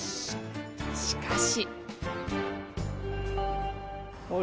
しかし。